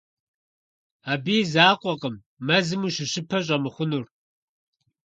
Абы и закъуэкъым мэзым ущыщыпэ щӀэмыхъунур.